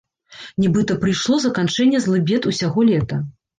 Нібыта прыйшло заканчэнне злыбед усяго лета.